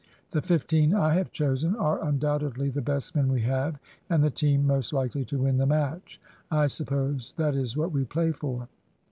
The fifteen I have chosen are undoubtedly the best men we have, and the team most likely to win the match. I suppose that is what we play for.